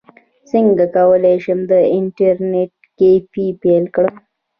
څنګه کولی شم د انټرنیټ کیفې پیل کړم